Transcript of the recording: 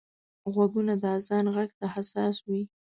غوږونه د اذان غږ ته حساس وي